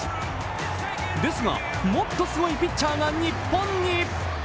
ですが、もっとすごいピッチャーが日本に！